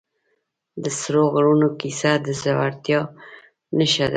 د سرو غرونو کیسه د زړورتیا نښه ده.